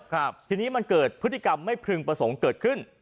ทีนี้มันเกิดพฤติกรรมไม่พึงประสงค์เกิดขึ้น